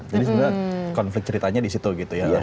jadi sebenarnya konflik ceritanya di situ gitu ya